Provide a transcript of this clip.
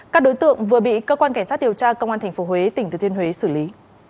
các đối tượng vừa bị cơ quan cảnh sát điều tra công an tp huế tỉnh thừa thiên huế xử lý